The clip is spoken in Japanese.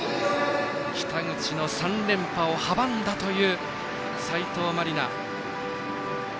北口の３連覇を阻んだという斉藤真理菜。